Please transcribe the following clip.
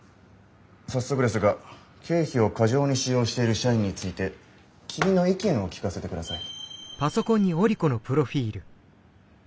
早速ですが経費を過剰に使用している社員について君の意見を聞かせて下さい。